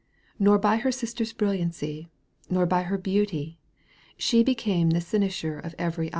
Nor by her sister's brilliancy Nor by her beauty she became The cynosure of every eye.